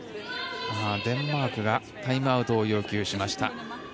デンマークがタイムアウトを要求しました。